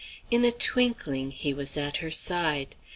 In a twinkling he was at her side.